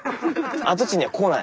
跡地には来ない。